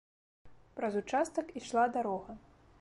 Праз участак ішла дарога.